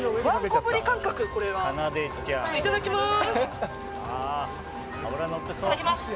いただきます。